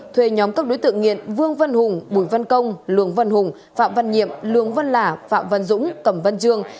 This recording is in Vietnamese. thuê nhóm các đối tượng nghiện vương văn hùng bùi văn công lường văn hùng phạm văn nhiệm lường văn lả phạm văn dũng cẩm văn trương